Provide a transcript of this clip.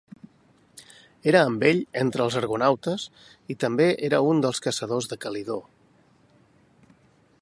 Era amb ell entre els argonautes i també era un dels caçadors de Calidó.